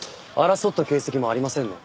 争った形跡もありませんね。